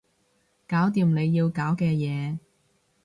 搞掂你要搞嘅嘢